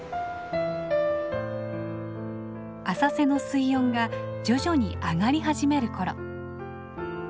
浅瀬の水温が徐々に上がり始める頃。